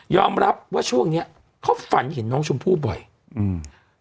รับว่าช่วงเนี้ยเขาฝันเห็นน้องชมพู่บ่อยอืม